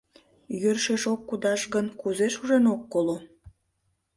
— Йӧршеш ок кудаш гын, кузе шужен ок коло?